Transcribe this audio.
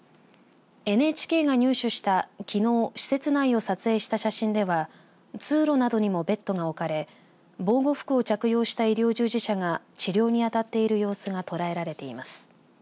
ＮＨＫが入手したきのう施設内を撮影した写真では通路などにもベッドが置かれ防護服を着用した医療従事者が治療に当たっている様子が捉えられています。